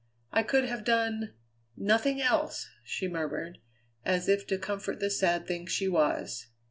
"I could have done nothing else!" she murmured, as if to comfort the sad thing she was.